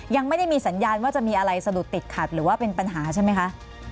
ยังไม่ได้มีสัญญาณว่าจะมีอะไรสะดุดติดขัดหรือว่าเป็นปัญหาใช่ไหมคะ